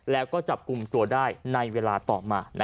แล้วก็จับกลุ่มตัวได้ในเวลาต่อมา